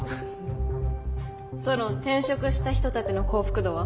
ソロン転職した人たちの幸福度は？